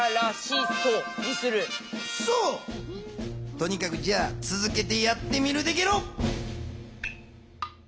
とにかくつづけてやってみるでゲロ。